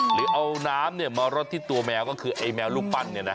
หรือเอาน้ำมารดที่ตัวแมวก็คือไอ้แมวรูปปั้น